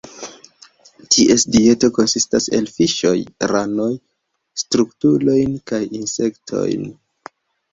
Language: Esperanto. Ties dieto konsistas el fiŝoj, ranoj, krustulojn kaj insektojn.